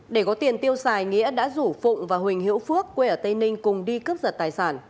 để có tiền tiêu xài nghĩa đã rủ phụng và huỳnh hữu phước quê ở tây ninh cùng đi cướp giật tài sản